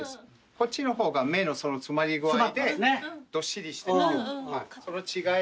こっちの方が目の詰まり具合でどっしりしてその違いが。